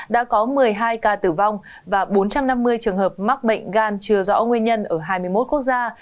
đã có một mươi hai ca tử vong và bốn trăm năm mươi trường hợp mắc bệnh gan chưa rõ nguyên nhân ở hai mươi một quốc gia